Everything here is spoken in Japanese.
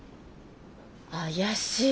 怪しい。